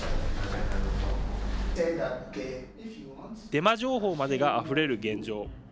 デマ情報までがあふれる現状。